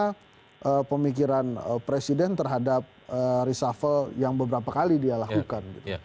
bagaimana pemikiran presiden terhadap reshuffle yang beberapa kali dia lakukan